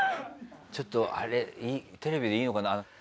ちょっとあれテレビでいいのかな？